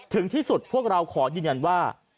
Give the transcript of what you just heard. ถึงที่สุดพวกเราขอยืนยันว่า